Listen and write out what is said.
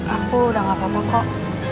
aku udah gapapa kok